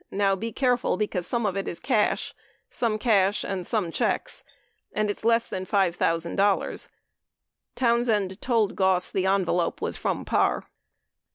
. Now be careful, because some of it is cash ... some cash and some checks, and it's less than $5,000. ..." 22 Townsend told Goss the envelope was from Parr.